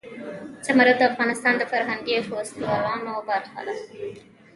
زمرد د افغانستان د فرهنګي فستیوالونو برخه ده.